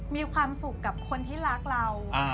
มีความสุขกับคนที่รักเรา